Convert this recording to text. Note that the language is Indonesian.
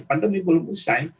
pandemi belum usai